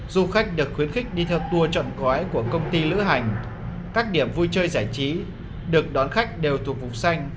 du khách được khuyến khích đi theo tour chọn gói của công ty lữ hành các điểm vui chơi giải trí được đón khách đều thuộc vùng xanh